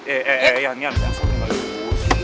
eh eh eh yang yang yang sorry